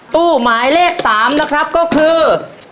ตู้หมายเลข๓นะครับก็คือ